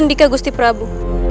sendika gusi prabu